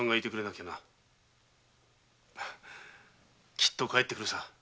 きっと帰ってくるさ。